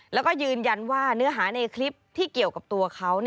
แล้วก็ยืนยันว่าเนื้อหาในคลิปที่เกี่ยวกับตัวเขา